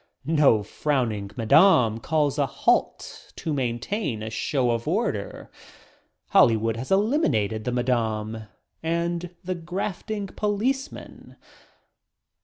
No frowning "Madam" calls a halt to maintain a show of order. Hollywood has eliminated the "madam" and the grafting policeman.